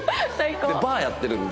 バーやってるんで。